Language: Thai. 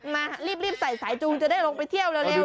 มารีบใส่สายจูงจะได้ลงไปเที่ยวเร็ว